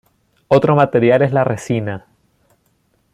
Otro material es la resina.